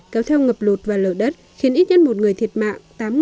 kéo theo ngập lụt và lở đất khiến ít nhất một người thiệt mạng